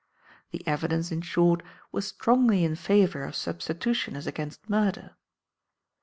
"The evidence, in short, was strongly in favour of substitution as against murder.